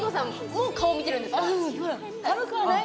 もう顔見てるんですか？